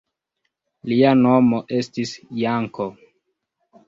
Lia nomo estis Janko.